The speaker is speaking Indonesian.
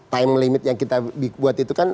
time limit yang kita buat itu kan